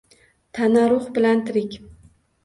Tana ruh bilan tirik.